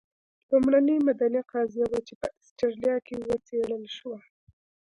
لومړنۍ مدني قضیه وه چې په اسټرالیا کې وڅېړل شوه.